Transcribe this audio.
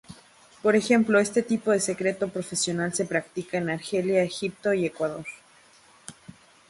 Por ejemplo, este tipo de secreto profesional se practica en Argelia, Egipto y Ecuador.